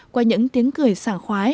qua những tiếng cười sảng khoái